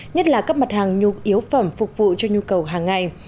nhất là các mặt hàng nhu yếu phẩm phục vụ cho nhu cầu hàng ngày